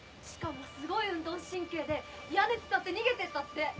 しかもすごい運動神経で屋根つたって逃げてったって。